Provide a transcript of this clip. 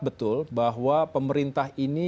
betul bahwa pemerintah ini